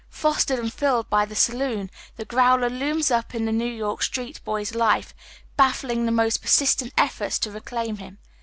Fostered and filled by " the saloon, the " growler " looms up in the Kew York street boy's life, baffling the most persistent efforts to re daiin him.